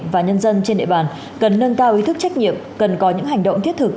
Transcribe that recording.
và nhân dân trên địa bàn cần nâng cao ý thức trách nhiệm cần có những hành động thiết thực